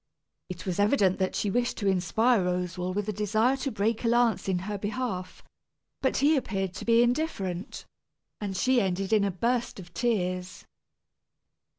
It was evident that she wished to inspire Roswal with a desire to break a lance in her behalf; but he appeared to be indifferent, and she ended in a burst of tears.